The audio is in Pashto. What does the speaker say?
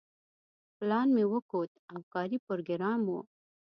پلان مې وکوت او کاري پروګرام و.